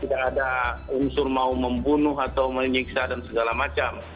tidak ada unsur mau membunuh atau menyiksa dan segala macam